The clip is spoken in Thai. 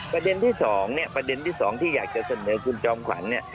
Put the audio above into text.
ประเด็นที่๒เนี่ยประเด็นที่๒ที่อยากจะเสนอคุณจอมขวัญเนี่ย